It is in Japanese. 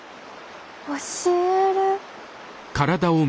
教える？